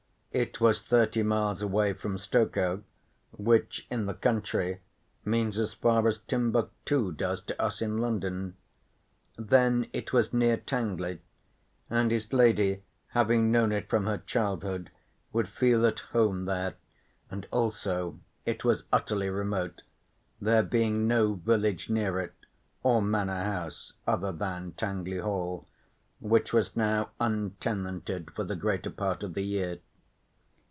It was thirty miles away from Stokoe, which in the country means as far as Timbuctoo does to us in London. Then it was near Tangley, and his lady having known it from her childhood would feel at home there, and also it was utterly remote, there being no village near it or manor house other than Tangley Hall, which was now untenanted for the greater part of the year.